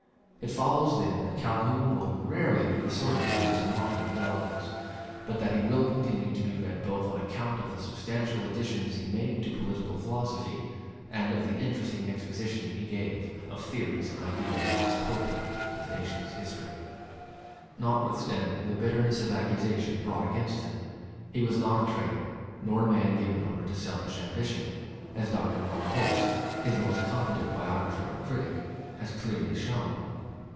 It follows then that Calhoun will rarely be resorted to as a model of eloquence, but that he will continue to be read both on account of the substantial additions he made to political philosophy, and of the interesting exposition he gave of theories and ideas once potent in the nation's history. [Illustration: J. C. CALHOUN.] Notwithstanding the bitterness of accusation brought against him, he was not a traitor nor a man given over to selfish ambition, as Dr. von Holst, his most competent biographer and critic, has clearly shown.